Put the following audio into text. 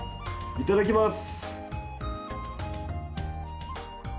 いただきます。